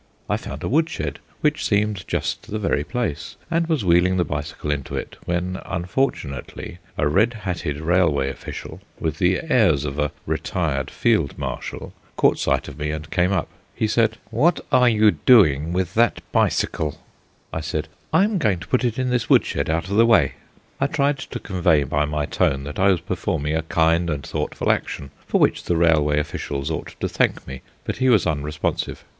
I found a wood shed, which seemed just the very place, and was wheeling the bicycle into it when, unfortunately, a red hatted railway official, with the airs of a retired field marshal, caught sight of me and came up. He said: "What are you doing with that bicycle?" I said: "I am going to put it in this wood shed out of the way." I tried to convey by my tone that I was performing a kind and thoughtful action, for which the railway officials ought to thank me; but he was unresponsive.